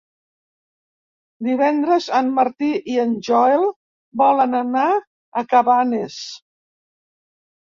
Divendres en Martí i en Joel volen anar a Cabanes.